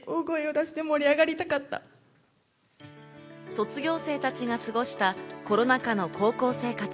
卒業生たちが過ごしたコロナ禍の高校生活。